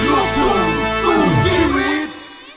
ลูกคุณสู่ชีวิต